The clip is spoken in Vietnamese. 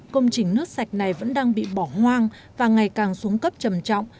công trình nước sạch này vẫn đang bị bỏ hoang và ngày càng xuống cấp trầm trọng